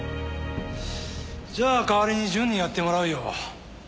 じゃあ代わりに淳にやってもらうよ。